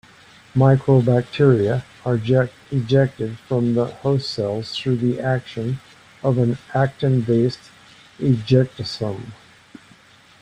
Mycobacteria are ejected from host cells through the action of an actin-based ejectosome.